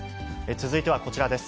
続いてはこちらです。